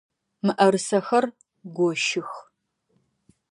Мыӏэрысэхэр гощых!